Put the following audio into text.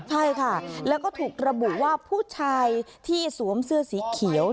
ใช่ค่ะแล้วก็ถูกระบุว่าผู้ชายที่สวมเสื้อสีเขียว